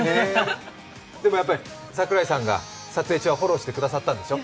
でも櫻井さんが撮影中、フォローしてくださったんでしょ？